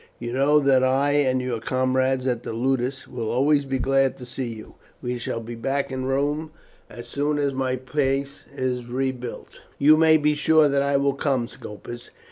You know that I and your comrades at the ludus will always be glad to see you. We shall be back in Rome as soon as my place is rebuilt." "You may be sure that I will come, Scopus.